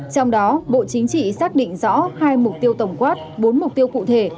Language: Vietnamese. trong đó bộ chính trị xác định rõ hai mục tiêu tổng quát bốn mục tiêu cụ thể